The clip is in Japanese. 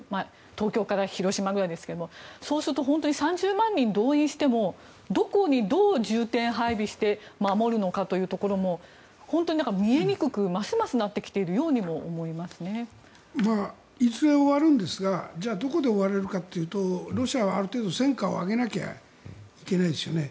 東京から広島ぐらいですけどそうすると３０万人動員してもどこにどう重点配備して守るのかというところも本当にますます見えにくくなってきているようにいずれ終わるんですがじゃあ、どこで終われるかというとロシアはある程度、戦果を上げなきゃいけないですよね。